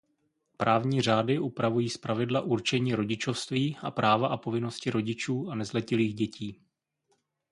Právní řády upravují zpravidla určení rodičovství a práva a povinnosti rodičů a nezletilých dětí.